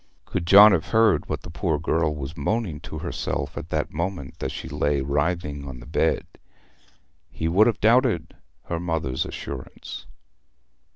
Could John have heard what the poor girl was moaning to herself at that moment as she lay writhing on the bed, he would have doubted her mother's assurance.